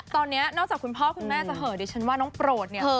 ตอนนี้นอกจากคุณพ่อคุณแม่จะเหอะดิฉันว่าน้องโปรดเนี่ย